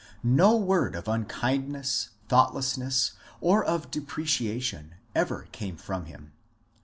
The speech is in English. No word of unkind ness, thoughtlessness, or of depreciation, ever came from him.